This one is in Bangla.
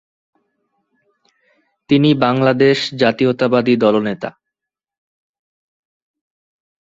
তিনি বাংলাদেশ জাতীয়তাবাদী দল নেতা।